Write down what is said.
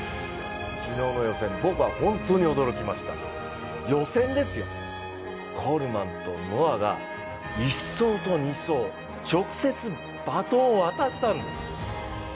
昨日の予選、僕は本当に驚きました予選ですよ、コールマンとノアが１走と２走、直接バトンを渡したんです。